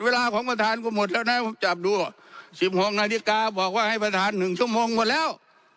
เวลาของประธานก็หมดแล้วนะผมจับดู๑๖นาฬิกาบอกว่าให้ประธาน๑ชั่วโมงหมดแล้ว